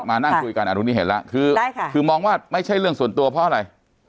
มานั่งคุยกันอันนี้เห็นแล้วคือได้ค่ะคือมองว่าไม่ใช่เรื่องส่วนตัวเพราะอะไร